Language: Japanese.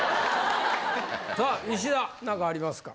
さあ石田何かありますか？